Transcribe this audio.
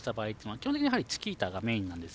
基本的にチキータがメインなんです。